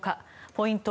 ポイント